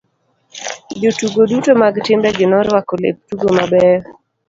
Jotugo duto mag timbe gi noruako lep tugo mabeyo.